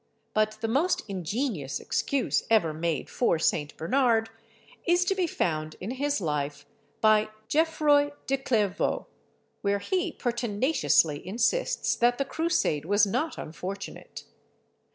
But the most ingenious excuse ever made for St. Bernard is to be found in his life by Geoffroi de Clairvaux, where he pertinaciously insists that the Crusade was not unfortunate.